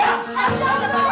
aduh innal cari angka